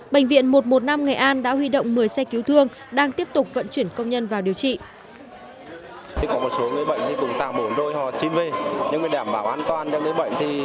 bệnh viện một trăm một mươi năm nghệ an đã huy động một mươi xe cứu thương đang tiếp tục vận chuyển công nhân vào điều trị